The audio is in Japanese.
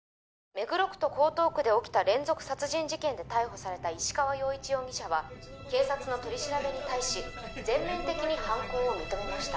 目黒区と江東区で起きた連続殺人事件で逮捕された石川陽一容疑者は警察の取り調べに対し全面的に犯行を認めました